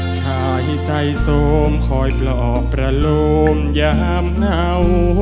ชายใจโสมคอยปลอบประโลมยามเหงา